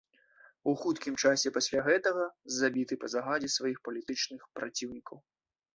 У хуткім часе пасля гэтага забіты па загадзе сваіх палітычных праціўнікаў.